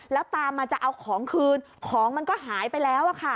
แล้วตามมาจะเอาของคืนของมันก็หายไปแล้วค่ะ